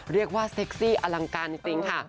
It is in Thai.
เรียกว่าเซ็กซี่อลังการจริงค่ะ